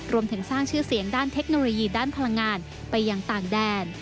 รวมถึงสร้างชื่อเสียงด้านเทคโนโลยีด้านพลังงานไปยังต่างแดน